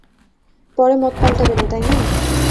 পরে মত পাল্টাবে না, তাই না?